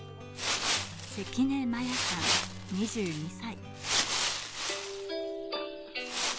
関根摩耶さん、２２歳。